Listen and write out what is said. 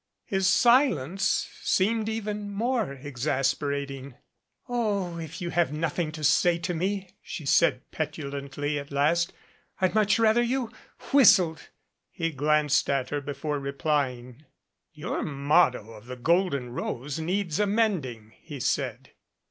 His silence seemed even more exasperating. "Oh, if you have nothing to say to me," she said petu lantly at last, "I'd much rather you whistled." He glanced at her before replying. "Your motto of the Golden Rose needs amending," he said.